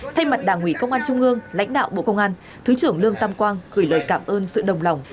thay mặt đảng ủy công an trung ương lãnh đạo bộ công an thứ trưởng lương tam quang gửi lời cảm ơn sự đồng lòng